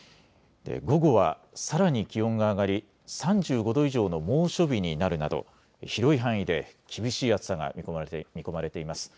午後はさらに気温が上がり３５度以上の猛暑日になるなど広い範囲で厳しい暑さが見込まれています。